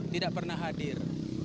tidak pernah hadir